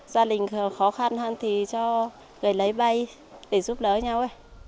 gia đình khó khăn hơn thì cho người lấy vay để giúp đỡ nhau